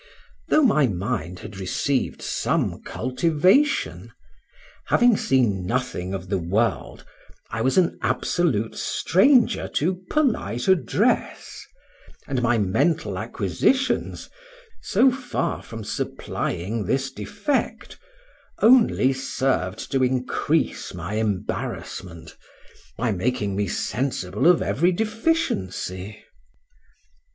Though my mind had received some cultivation, having seen nothing of the world, I was an absolute stranger to polite address, and my mental acquisitions, so far from supplying this defect, only served to increase my embarrassment, by making me sensible of every deficiency.